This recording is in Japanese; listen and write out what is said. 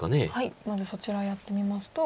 まずそちらをやってみますと。